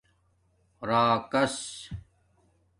راکس